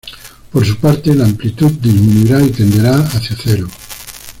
Por su parte, la amplitud disminuirá y tenderá hacia cero.